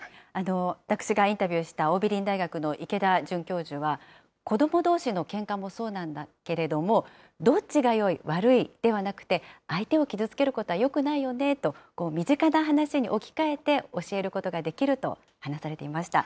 私がインタビューした桜美林大学の池田准教授は、子どもどうしのけんかもそうなんだけれども、どっちがよい、悪いではなくて、相手を傷つけることはよくないよねと、身近な話に置き換えて教えることができると話されていました。